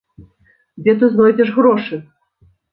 Дзе ты знойдзеш грошы?!?